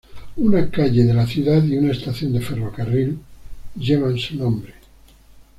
Una calle de la ciudad y una estación de ferrocarril llevan su nombre.